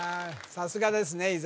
さすがですね